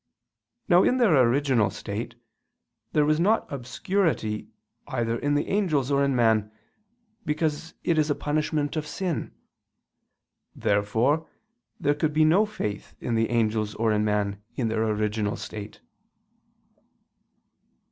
Now in their original state there was not obscurity either in the angels or in man, because it is a punishment of sin. Therefore there could be no faith in the angels or in man, in their original state.